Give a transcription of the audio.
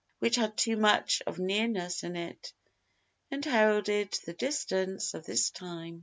which had too much of nearness in it And heralded the distance of this time.